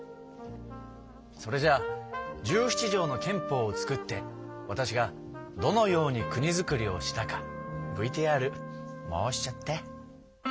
それじゃあ十七条の憲法をつくってわたしがどのように国づくりをしたかＶＴＲ回しちゃって。